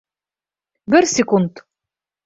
Бер секунд!